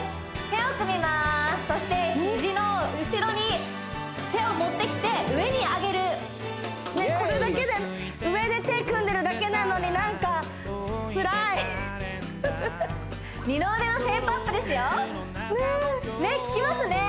手を組みますそしてヒジの後ろに手を持ってきて上に上げるこれだけで上で手組んでるだけなのになんかつらい二の腕のシェイプアップですよねっ効きますね